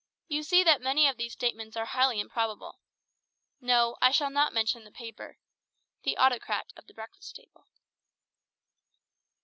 You see that many of these statements are highly improbable. No, I shall not mention the paper. _The Autocrat of the Breakfast Table.